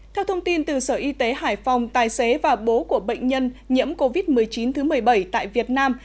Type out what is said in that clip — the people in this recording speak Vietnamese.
theo thông tin từ sở y tế hải phòng tài xế và bố của bệnh nhân nhiễm covid một mươi chín thứ một mươi bảy tại việt nam